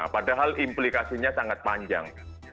padahal implikasinya sangat panjang